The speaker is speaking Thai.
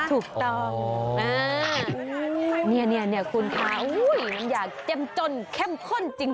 ถูกตอบเนี่ยเนี่ยคุณค่ะอุ๊ยน้ำอย่างเต็มจนเข้มข้นจริงนะคะ